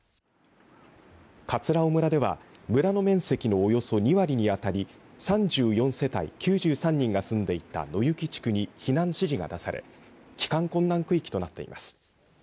葛尾村では村の面積のおよそ２割に当たり３４世帯９３人が住んでいた野行地区に避難指示が出され帰還困難区域となっています。